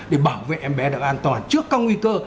để bảo vệ em bé được an toàn trước các nguy cơ